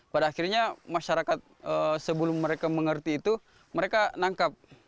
pada akhirnya masyarakat sebelum mereka mengerti itu mereka nangkap